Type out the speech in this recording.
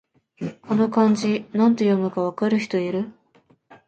この漢字、なんて読むか分かる人いる？